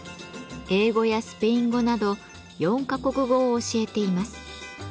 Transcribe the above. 英語やスペイン語など４か国語を教えています。